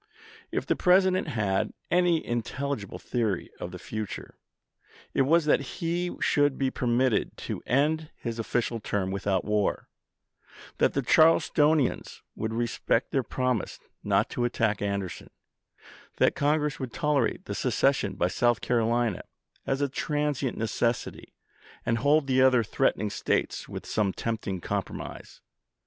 If the President had any intelligible theory of the future, it was that he should be permitted to end his official term without war; that the Charles tonians would respect their promise not to attack Anderson ; that Congress would tolerate the seces sion of South Carolina as a transient necessity, and hold the other threatening States with some tempting compromise.